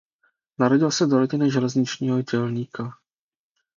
Narodil se do rodiny železničního dělníka.